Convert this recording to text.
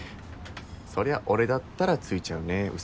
そりゃ俺だったらついちゃうねうそ。